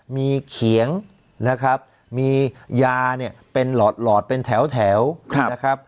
มีเขียงนะครับมียาเนี่ยเป็นหลอดเป็นแถวนะครับ